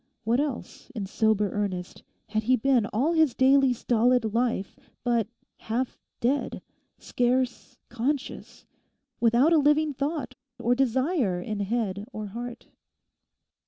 What else, in sober earnest, had he been all his daily stolid life but half dead, scarce conscious, without a living thought, or desire, in head or heart?